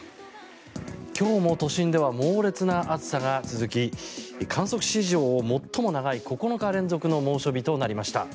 今日も都心では猛烈な暑さが続き観測史上最も長い９日連続の猛暑日となりました。